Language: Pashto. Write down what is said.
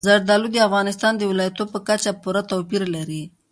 زردالو د افغانستان د ولایاتو په کچه پوره توپیر لري.